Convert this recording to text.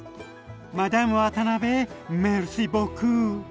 マダム渡辺メルシーボクー。